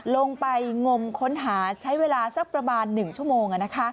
ลงไปงมค้นหาใช้เวลาสักประมาณ๑ชั่วโมง